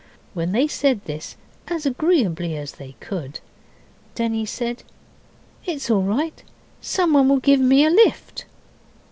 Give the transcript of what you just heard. When they said this, as agreeably as they could, Denny said 'It's all right someone will give me a lift.